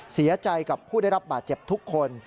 เสียใจกับผู้ได้รับบาดเจ็บทุกคน